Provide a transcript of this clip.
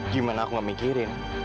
gimana aku ga mikirin